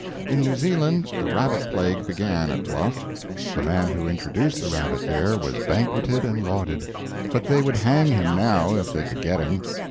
In New Zealand the rabbit plague began at Bluff. The man who introduced the rabbit there was banqueted and lauded; but they would hang him, now, if they could get him.